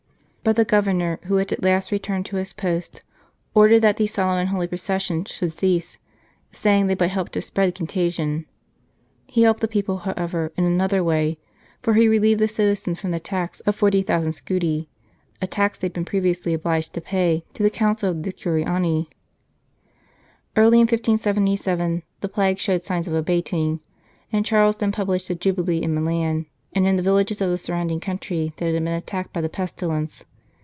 But the Governor, who had at last returned to his post, ordered that these solemn and holy processions should cease, saying they but helped to spread contagion. He helped the people, how ever, in another way, for he relieved the citizens from the tax of 40,000 scudi, a tax they had been previously obliged to pay to the Council of the Decurioni. Early in 1577 the plague showed signs of abating, and Charles then published the Jubilee in Milan and in the villages of the surrounding country that had been attacked by the pestilence.